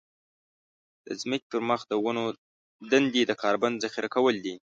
د ځمکې پر مخ د ونو دندې د کاربن ذخيره کول دي.